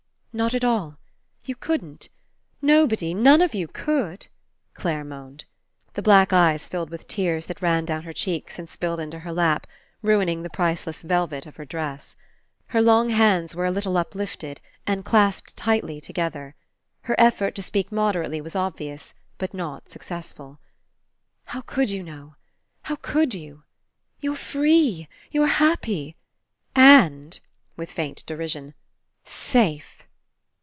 Not at all. You couldn't. Nobody, none of you, could," Clare moaned. The black eyes filled with tears that ran down her cheeks and spilled into her lap, ruining the priceless velvet of her dress. Her long hands were a little uplifted and clasped tightly together. Her ef fort to speak moderately was obvious, but not successful. "How could you know? How could ' you? You're free. You're happy. And," with faint derision, "safe."